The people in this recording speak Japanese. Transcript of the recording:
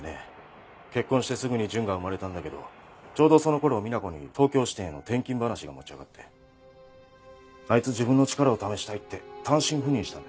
結婚してすぐに純が生まれたんだけどちょうどその頃美那子に東京支店への転勤話が持ち上がってあいつ自分の力を試したいって単身赴任したんです。